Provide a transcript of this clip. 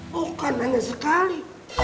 bukan hanya sekali